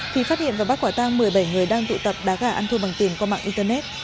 thì phát hiện và bắt quả tang một mươi bảy người đang tụ tập đá gà ăn thua bằng tiền qua mạng internet